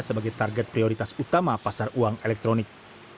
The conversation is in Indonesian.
sebagai target prioritas utama pasar uang elektronik